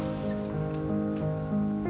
apa untuk bakasan pacific harbour